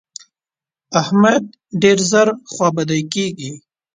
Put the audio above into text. احمد ډېر ژر خوابدی کېږي.